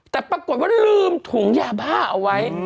แต่ปรากฏว่าลืมถุงยาบ้าเอาไว้